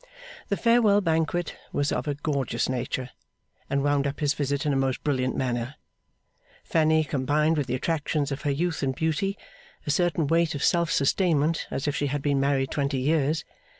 The farewell banquet was of a gorgeous nature, and wound up his visit in a most brilliant manner. Fanny combined with the attractions of her youth and beauty, a certain weight of self sustainment as if she had been married twenty years.